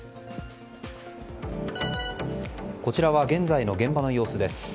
こちらは現在の現場の様子です。